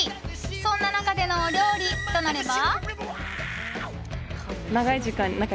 そんな中でのお料理となれば。